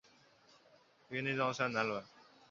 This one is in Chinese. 位于内藏山南麓。